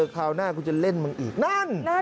กูจะเล่นมันอีกนั่น